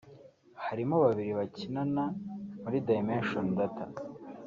harimo babiri bakinana muri Dimension Data